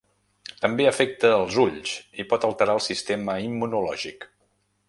També afecta els ulls i pot alterar el sistema immunològic.